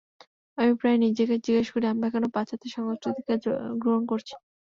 আমি প্রায়ই নিজেকে জিজ্ঞেস করি, আমরা কেন পাশ্চাত্য সংস্কৃতিকে গ্রহণ করছি।